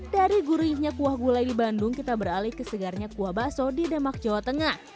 dari gurihnya kuah gulai di bandung kita beralih ke segarnya kuah bakso di demak jawa tengah